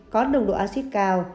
có nồng độ acid cao